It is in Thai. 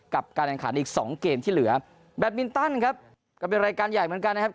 การแข่งขันอีกสองเกมที่เหลือแบตมินตันครับก็เป็นรายการใหญ่เหมือนกันนะครับ